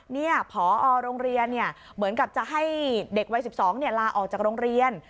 นี่พอโรงเรียนเหมือนกับจะให้เด็กวัย๑๒ลาออกจากโรงเรียน